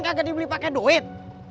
kagak dibeli pake duit